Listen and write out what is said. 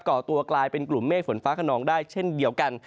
่อตัวกลายเป็นกลุ่มเมฆฝนฟ้าขนองได้เช่นเดียวกัน